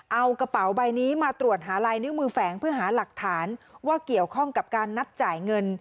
เอากระเป๋าใบนี้มาตรวจหาลายนิ้วมือแฝงเพื่อหาหลักฐานว่าเกี่ยวข้องกับการนัดจ่ายเงิน